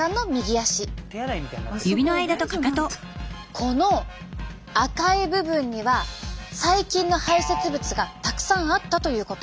この赤い部分には細菌の排せつ物がたくさんあったということ。